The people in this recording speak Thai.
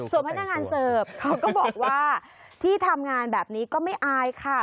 ส่วนพนักงานเสิร์ฟเขาก็บอกว่าที่ทำงานแบบนี้ก็ไม่อายค่ะ